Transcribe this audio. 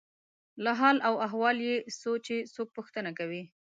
له حال او احوال یې څو چې څوک پوښتنه کوي.